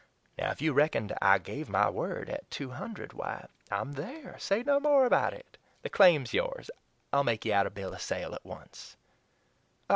If you reckoned I GAVE MY WORD at two hundred why, I'm there! Say no more about it the claim's yours. I'll make you out a bill of sale at once."